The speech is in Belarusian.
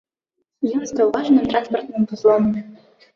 Ён стаў важным транспартным вузлом.